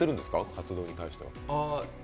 活動に対しては。